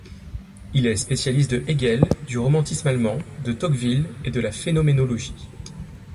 Il est spécialiste de Hegel, du romantisme allemand, de Tocqueville et de la phénoménologie.